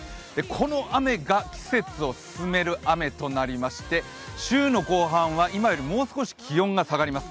この雨が季節を進める雨となりまして、週の後半は今よりもう少し気温が下がります。